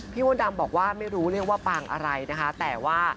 มดดำบอกว่าไม่รู้เรียกว่าปางอะไรนะคะแต่ว่า